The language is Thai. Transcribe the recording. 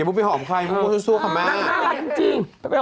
ไม่มีไปหอมคราวนั่งน้ำมากเลย